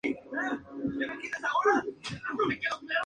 Yo como que acabo de hacer mi propia cosa.